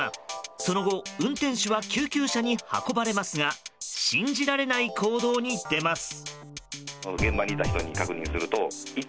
その後、運転手は救急車に運ばれますが信じられない行動に出ます。